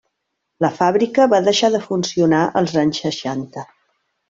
La fàbrica va deixar de funcionar als anys seixanta.